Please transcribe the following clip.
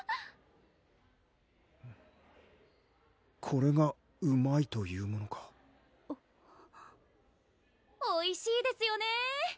これがうまいというものかおいしいですよね！